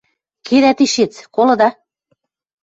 Кедӓ тишец, колыда!